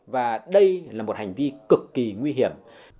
và đây là một hành vi cực kỳ nguy hiểm